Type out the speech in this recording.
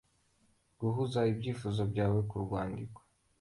guhuza ibyifuzo byawe kurwandiko.